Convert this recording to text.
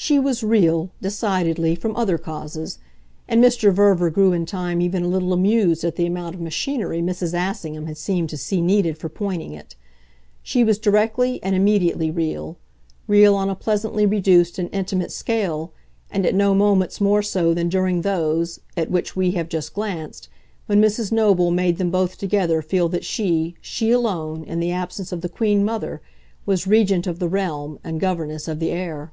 She was real, decidedly, from other causes, and Mr. Verver grew in time even a little amused at the amount of machinery Mrs. Assingham had seemed to see needed for pointing it. She was directly and immediately real, real on a pleasantly reduced and intimate scale, and at no moments more so than during those at which we have just glanced when Mrs. Noble made them both together feel that she, she alone, in the absence of the queen mother, was regent of the realm and governess of the heir.